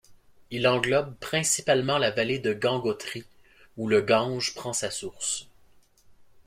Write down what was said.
Il englobe principalement la vallée de Gangotri, où le Gange prend sa source.